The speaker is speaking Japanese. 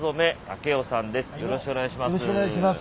よろしくお願いします。